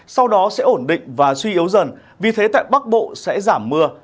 sau đó sẽ ổn định và suy yếu dần vì thế tại bắc bộ sẽ giảm mưa